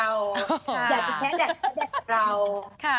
อยากจะแท้แดดแดดกับเรา